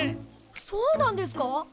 そうなんですか！？